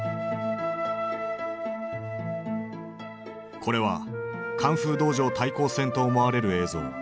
これはカンフー道場対抗戦と思われる映像。